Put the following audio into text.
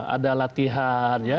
ada latihan latihan melawan terorisme ada